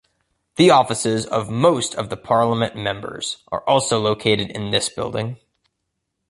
The offices of most of the parliament members are also located in this building.